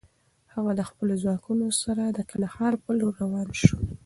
هغه د خپلو ځواکونو سره د کندهار پر لور روان شو.